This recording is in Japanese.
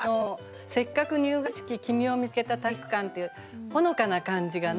せっかく「入学式君をみつけた体育館」っていうほのかな感じがね